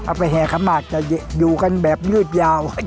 เอาไปแห่คำนาจจะอยู่กันแบบยืดยาว